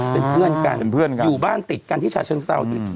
เป็นเพื่อนกันอยู่บ้านติดกันที่ชาชเชิงเศร้าที่